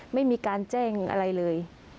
ไม่มีการแจ้งอะไรเลย